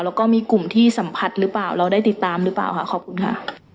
แล้วก็มีกลุ่มที่สัมผัสหรือเปล่าเราได้ติดตามหรือเปล่าค่ะขอบคุณค่ะ